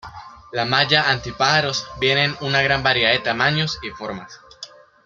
La malla anti pájaros viene en una gran variedad de tamaños y formas.